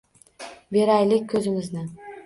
Beraylik ko‘zimizni.